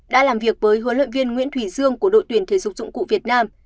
đã làm việc với huấn luyện viên nguyễn thủy dương của đội tuyển thể dục dụng cụ việt nam